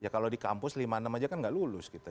kalau di kampus lima puluh enam saja tidak lulus